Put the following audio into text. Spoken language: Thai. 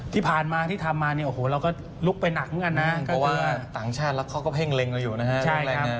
ที่ผ่านมาที่ทำมาเนี่ยโอ้โหเราก็ลุกไปหนักเหมือนกันนะเพราะว่าต่างชาติแล้วเขาก็เพ่งเล็งกันอยู่นะฮะ